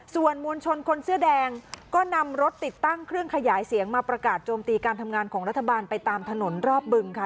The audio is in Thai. ส่วนมวลชนคนเสื้อแดงก็นำรถติดตั้งเครื่องขยายเสียงมาประกาศโจมตีการทำงานของรัฐบาลไปตามถนนรอบบึงค่ะ